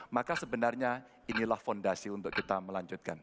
maka sebenarnya inilah fondasi untuk kita melanjutkan